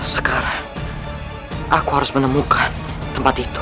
sekarang aku harus menemukan tempat itu